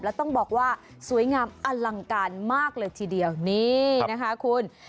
แล้วต้องบอกว่าสวยงามอลังการมากเลยทีเดียวนี่นะคะคุณ